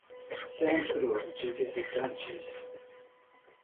Centro de visitantes